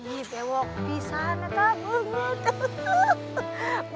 ih dewok pisah nata bunga tuh